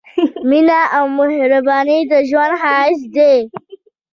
مينه او مهرباني د ژوند ښايست دی